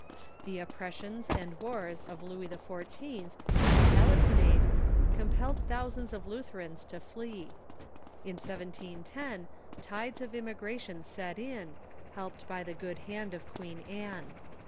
The oppressions and wars of Louis XIV. in the Palatinate compelled thousands of Lutherans to flee. In ITIO tides of immigration set in, hel})ed by the good hand ot" Queen Anne.